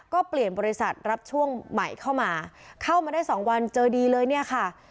ก็เปลี่ยนบริษัทรับช่วงใหม่เข้ามาเข้ามาได้สองวันเจอดีเลยเนี่ยค่ะ